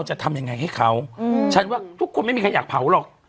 จะทำยังไงให้เขาฉันว่าทุกคนไม่มีใครอยากเผาหรอก